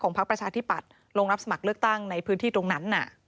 พักประชาธิปัตย์ลงรับสมัครเลือกตั้งในพื้นที่ตรงนั้น